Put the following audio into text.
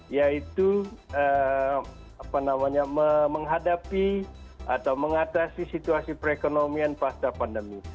yaitu menghadapi atau mengatasi situasi perekonomian pasca pandemi